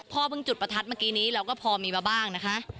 เพิ่งจุดประทัดเมื่อกี้นี้เราก็พอมีมาบ้างนะคะ